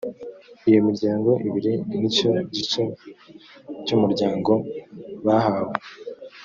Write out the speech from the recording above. iyo miryango ibiri n’icyo gice cy’umuryango bahawe